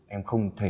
em không thể